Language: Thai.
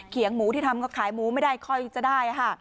เขียงหมูที่ทำก็ขายหมูไม่ได้ค่อยจะได้